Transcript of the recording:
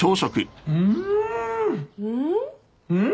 うん！